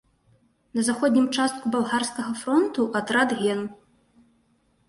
На заходнім участку балгарскага фронту атрад ген.